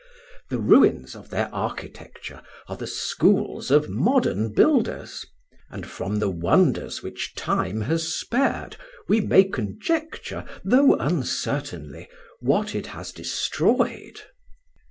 The ruins of their architecture are the schools of modern builders; and from the wonders which time has spared we may conjecture, though uncertainly, what it has destroyed."